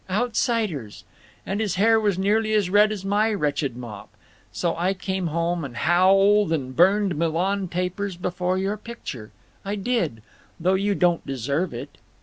Outsiders! And his hair was nearly as red as my wretched mop. So I came home & howled & burned Milan tapers before your picture. I did. Though you don't deserve it.